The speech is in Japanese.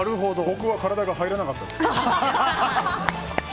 僕は体が入らなかったです。